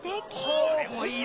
これもいいな。